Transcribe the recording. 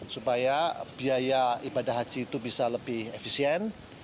supaya biaya ibadah haji itu bisa lebih efisien